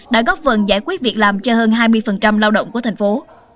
đã góp phần giải quyết việc làm cho hơn hai mươi lao động của thành phố